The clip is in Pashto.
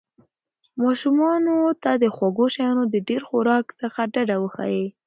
ماشومانو ته د خوږو شیانو د ډېر خوراک څخه ډډه وښایئ.